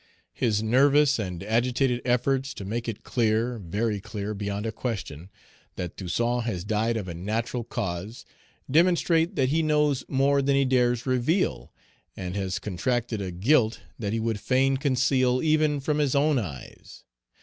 His nervous and agitated efforts to make it clear very clear, beyond a question that Toussaint has died of a natural cause, demonstrate that he knows more than he dares reveal, and has contracted a guilt that he would fain conceal even from his own eyes.